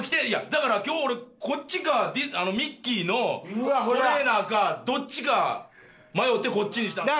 だから今日俺こっちかミッキーのトレーナーかどっちか迷ってこっちにしたの。